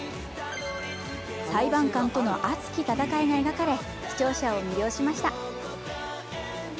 裁判官との熱き戦いが描かれ視聴者を魅了しました。